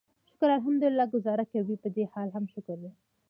شکر الحمدلله ګوزاره کوي، پدې حال هم شکر دی.